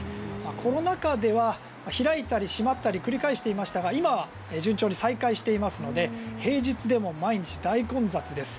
コロナ禍では開いたり閉まったり繰り返していましたが今は順調に再開していますので平日でも毎日大混雑です。